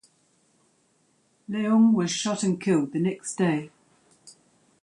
Leung was shot and killed the next day.